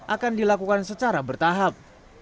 akan dilakukan secara bertahap